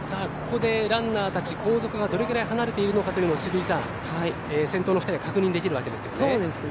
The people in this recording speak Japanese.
ここでランナーたち、後続がどれぐらい離れているかというのを渋井さん、先頭の２人は確認できるわけですよね。